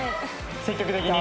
積極的に？